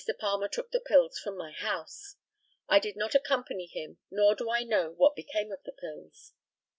Palmer took the pills from my house. I did not accompany him, nor do I know what became of the pills.